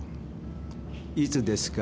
「いつですか」